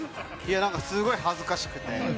すごい恥ずかしくて。